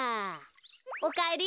おかえり。